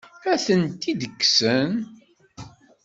Ad tent-id-kksen?